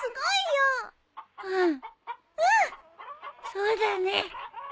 そうだね。